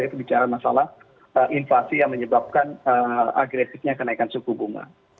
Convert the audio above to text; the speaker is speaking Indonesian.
itu bicara masalah inflasi yang menyebabkan agresifnya kenaikan suku bunga